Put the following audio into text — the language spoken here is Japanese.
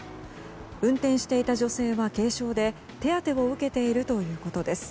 運転していた女性は軽傷で手当てを受けているということです。